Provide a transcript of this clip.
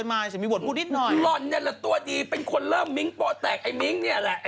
เขาโหวี่มัทักนายแหละตัวดีเป็นคนเริ่มมิ้งค์เปาแตกไอ้มิ้งค์นี้แหละ